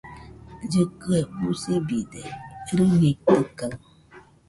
Llɨkɨe usibide, rɨñeitɨkaɨ